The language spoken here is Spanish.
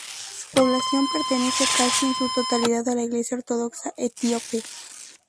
Su población pertenece casi en su totalidad a la Iglesia ortodoxa etíope.